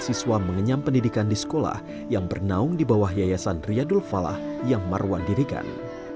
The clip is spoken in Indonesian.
siswa mengenyam pendidikan di sekolah yang bernaung di bawah yayasan riyadul falah yang marwan dirikan